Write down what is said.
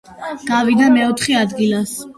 გავიდა მეოთხე ადგილზე.